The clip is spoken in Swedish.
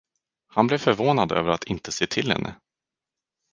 Han blev förvånad över att inte se till henne.